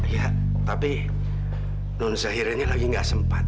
ya tapi non zahiranya lagi nggak sempat